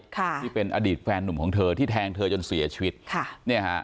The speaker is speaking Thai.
ค่ะที่เป็นอดีตแฟนหนุ่มของเธอที่แทงเธอจนเสียชีวิตค่ะเนี่ยฮะ